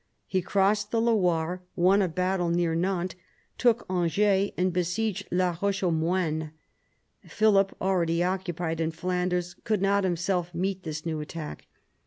He crossed the Loire, won a battle near Nantes, took Angers, and besieged La Eoche aux moines. Philip, already occupied in Flanders, could not himself meet this new attack.